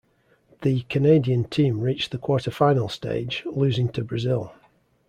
The Canadian team reached the quarter-final stage, losing to Brazil.